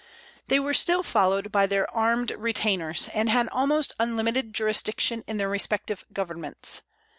They were still followed by their armed retainers, and had almost unlimited jurisdiction in their respective governments.